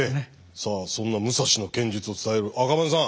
さあそんな武蔵の剣術を伝える赤羽根さん